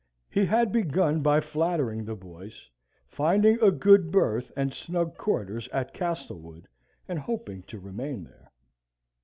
He had begun by flattering the boys, finding a good berth and snug quarters at Castlewood, and hoping to remain there.